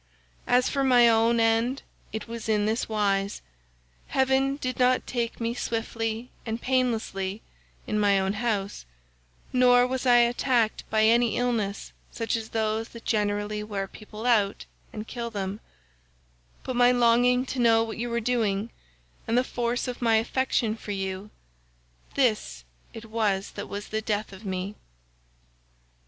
As for my own end it was in this wise: heaven did not take me swiftly and painlessly in my own house, nor was I attacked by any illness such as those that generally wear people out and kill them, but my longing to know what you were doing and the force of my affection for you—this it was that was the death of me.